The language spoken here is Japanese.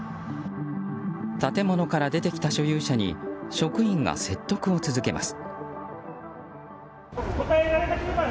建物から出てきた所有者に職員が説得を続けます。